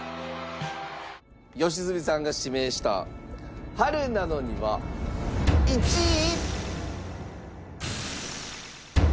良純さんが指名した『春なのに』は１位。